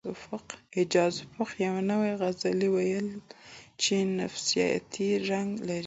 اعجاز افق یو نوی غزل ویلی چې نفسیاتي رنګ لري